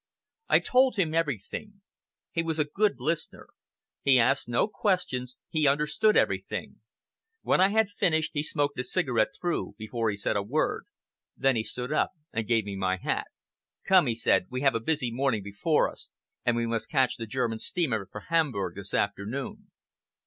I told him everything. He was a good listener. He asked no questions, he understood everything. When I had finished, he smoked a cigarette through before he said a word. Then he stood up and gave me my hat. "Come," he said, "we have a busy morning before us, and we must catch the German steamer for Hamburg this afternoon."